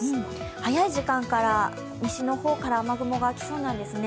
早い時間から西の方から雨雲が来そうなんですね。